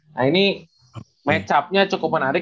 nah ini match up nya cukup menarik